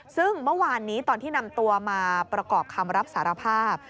ซึ่งเมื่อวานนี้ตอนที่นำตัวมาประกอบคำรับสารภาพ